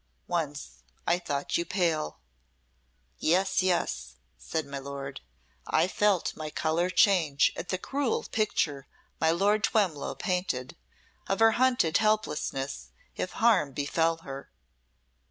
"Once I thought you pale." "Yes, yes," said my lord. "I felt my colour change at the cruel picture my Lord Twemlow painted of her hunted helplessness if harm befell her."